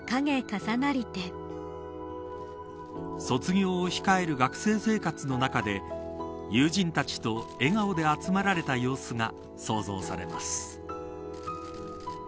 卒業を控える学生生活の中で友人たちと笑顔で集まられた様子が想像されます。